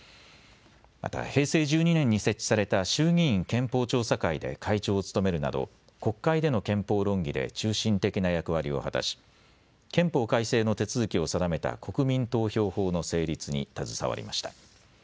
また平成１２年に設置された衆議院憲法調査会で会長を務めるなど国会での憲法論議で中心的な役割を果たし憲法改正の手続きを定めた国民投票法の成立に携わりました。